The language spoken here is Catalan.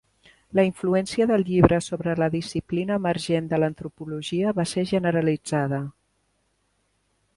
La influència del llibre sobre la disciplina emergent de l'antropologia va ser generalitzada.